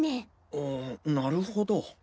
あなるほど。